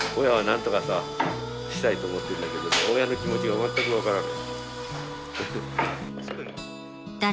親は何とかさしたいと思ってるんだけど親の気持ちがまったく分からない。